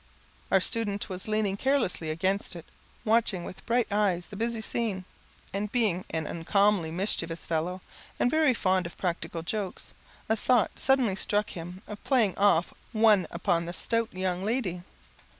Our student was leaning carelessly against it, watching with bright eyes the busy scene; and being an uncommonly mischievous fellow, and very fond of practical jokes, a thought suddenly struck him of playing off one upon the stout young lady.